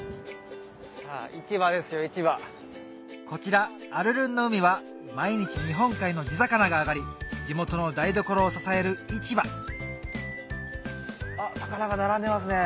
こちら「あるるんの海」は毎日日本海の地魚があがり地元の台所を支える市場あっ魚が並んでますね。